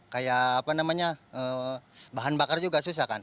kayak apa namanya bahan bakar juga susah kan